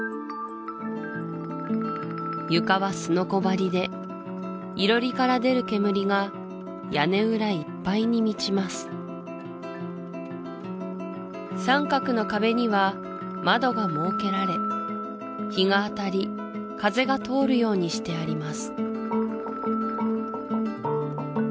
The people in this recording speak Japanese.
床はすのこ張りで囲炉裏から出る煙が屋根裏いっぱいに満ちます三角の壁には窓が設けられ日が当たり風が通るようにしてあります